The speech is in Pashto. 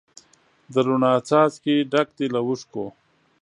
د روڼا څاڅکي ډک دي له اوښکو